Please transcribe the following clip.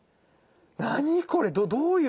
何これどういう？